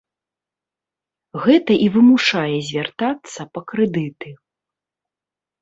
Гэта і вымушае звяртацца па крэдыты.